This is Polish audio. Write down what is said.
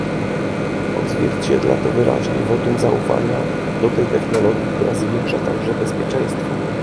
Odzwierciedla to wyraźnie wotum zaufania do tej technologii, która zwiększa także bezpieczeństwo